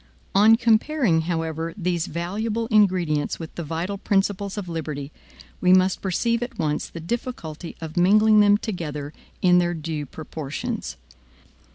On comparing, however, these valuable ingredients with the vital principles of liberty, we must perceive at once the difficulty of mingling them together in their due proportions.